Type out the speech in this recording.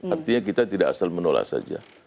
artinya kita tidak asal menolak saja